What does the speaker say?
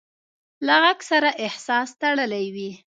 له غږ سره احساس تړلی وي.